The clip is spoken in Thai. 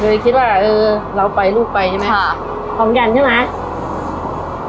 คิดว่าเออเราไปลูกไปใช่ไหมค่ะพร้อมยันใช่ไหม